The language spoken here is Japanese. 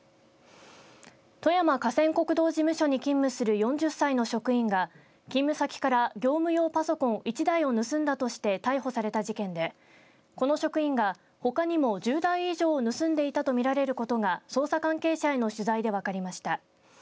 富山河川国道事務所に勤務する４０歳の職員が勤務先から業務用パソコン１台を盗んだなどとして逮捕された事件でこの職員が、ほかにも１０台以上盗んでいたとみられることが捜査関係者への取材で分かりました。